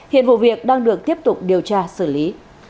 hiện vụ việc đang được tiếp tục điều tra xử lý